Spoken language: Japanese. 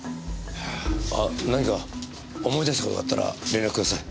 あっ何か思い出した事があったら連絡ください。